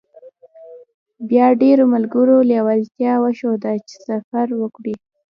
بيا ډېرو ملګرو لېوالتيا وښوده چې سفر وکړي.